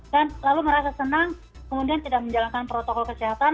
dan lalu merasa senang kemudian tidak menjalankan protokol kesehatan